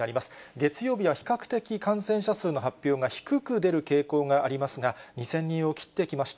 月曜日は比較的感染者数の発表が低く出る傾向がありますが、２０００人を切ってきました。